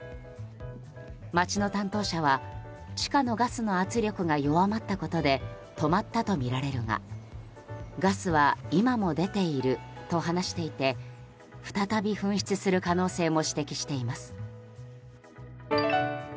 町の担当者は地下のガスの圧力が弱まったことで止まったとみられるがガスは今も出ていると話していて再び噴出する可能性も指摘しています。